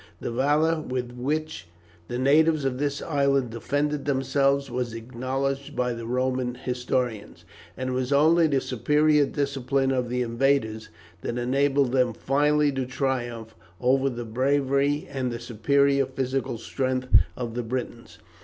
The valour with which the natives of this island defended themselves was acknowledged by the Roman historians, and it was only the superior discipline of the invaders that enabled them finally to triumph over the bravery and the superior physical strength of the Britons.